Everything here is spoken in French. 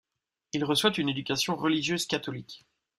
Il reçoit une éducation religieuse catholique.